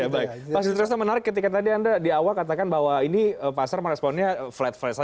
pak sistri ustaz menarik ketika tadi anda di awal katakan bahwa ini pasar meresponnya flat flat saja datar datar saja